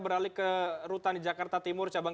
beralih ke rutan jakarta timur cabang